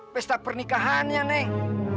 pesta pernikahannya neng